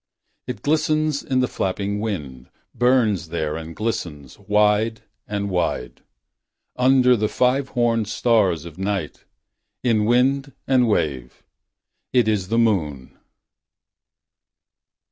It glistens in the flapping wind. Burns there and glistens, wide and wide. Under the five horned stars of night. In wind and wave. .. It is the moon.